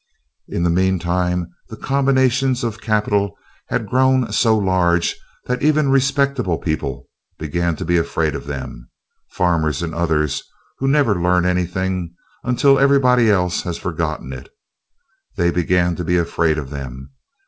In the meantime, the combinations of capital had grown so large that even respectable people began to be afraid of them, farmers and others who never learn anything until everybody else has forgotten it; they began to be afraid of them.